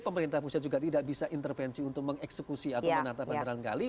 pemerintah pusat juga tidak bisa intervensi untuk mengeksekusi atau menata bandaran kali